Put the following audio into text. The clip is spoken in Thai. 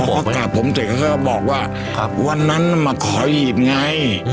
พอกราบผมเสร็จเขาก็บอกว่าวันนั้นมาขอหีบไง